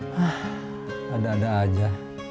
hah ada ada aja